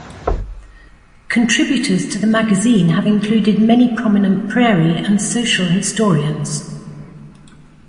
Contributors to the magazine have included many prominent prairie and social historians.